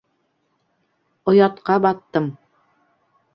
Оятҡа баттым.